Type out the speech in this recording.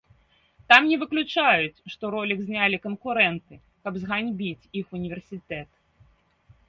Там не выключаюць, што ролік знялі канкурэнты, каб зганьбіць іх універсітэт.